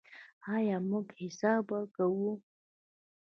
آیا موږ حساب ورکوو؟